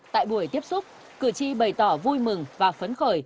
tại buổi tiếp xúc cử tri bày tỏ vui mừng và phấn khởi